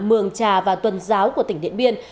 mường trà và tuần giáo của tỉnh điện biên